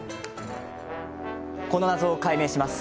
この謎を解明します。